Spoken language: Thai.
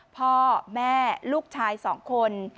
พ่อแม่ลูกชาย๒คน